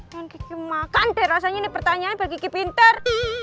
kan kiki makan deh rasanya ini pertanyaan bagi kiki pinter